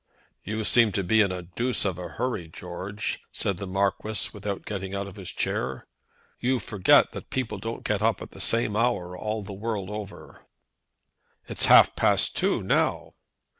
"You seem to be in a deuce of a hurry, George," said the Marquis, without getting out of his chair. "You forget that people don't get up at the same hour all the world over." "It's half past two now."